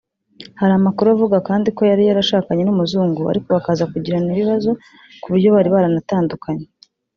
Hari amakuru avuga kandi ko yari yarashakanye n’umuzungu ariko bakaza kugirana ibibazo kuburyo bari baranatandukanye